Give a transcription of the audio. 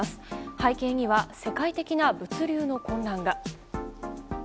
背景には世界的な物流の混乱が。